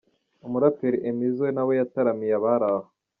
Umuraperi M Izzo nawe yataramiye abari aho.